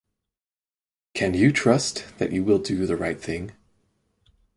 Can you trust that you will do the right thing?